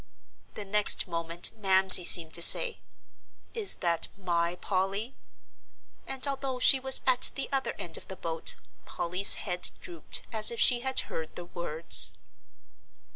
The next moment Mamsie seemed to say, "Is that my Polly?" and although she was at the other end of the boat, Polly's head drooped as if she had heard the words.